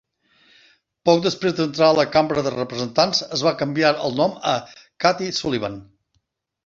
Poc després d'entrar a la Cambra de representants es va canviar el nom a Kathy Sullivan.